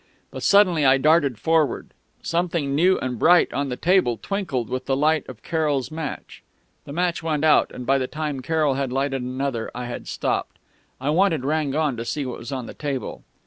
"But suddenly I darted forward. Something new and bright on the table twinkled with the light of Carroll's match. The match went out, and by the time Carroll had lighted another I had stopped. I wanted Rangon to see what was on the table....